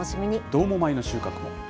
どーも米の収穫も。